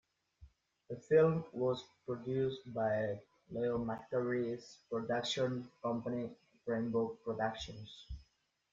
The film was produced by Leo McCarey's production company, Rainbow Productions.